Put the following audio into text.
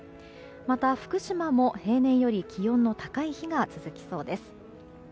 また、福島も平年より気温の高い日が続きそうです。